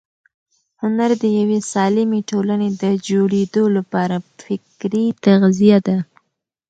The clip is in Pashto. هنر د یوې سالمې ټولنې د جوړېدو لپاره فکري تغذیه ده.